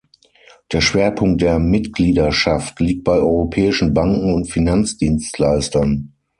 Der Schwerpunkt der Mitgliederschaft liegt bei europäischen Banken und Finanzdienstleistern.